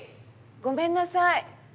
ごめんなさい